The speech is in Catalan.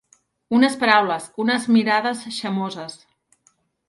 Unes paraules, unes mirades xamoses.